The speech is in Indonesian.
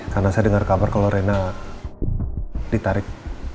karena saya dengar kabar kalau rena ditarik